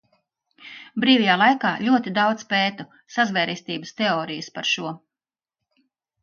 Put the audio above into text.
Brīvajā laikā ļoti daudz pētu sazvērestības teorijas par šo.